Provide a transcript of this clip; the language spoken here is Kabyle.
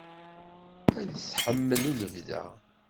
Ad t-tḥemmel i lebda.